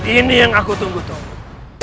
ini yang aku tunggu tunggu